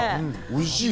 おいしい。